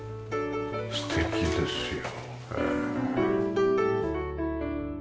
素敵ですよええ。